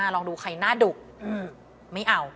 ลองดูใครหน้าดุไม่เอา